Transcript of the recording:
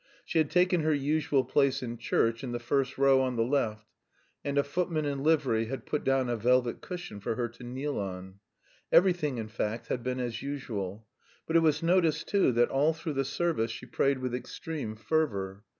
She had taken her usual place in church in the first row on the left, and a footman in livery had put down a velvet cushion for her to kneel on; everything in fact, had been as usual. But it was noticed, too, that all through the service she prayed with extreme fervour.